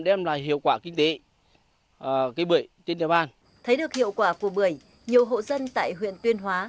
để phát triển diện tích bưởi tuyên hóa